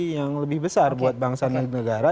yang lebih besar buat bangsa dan negara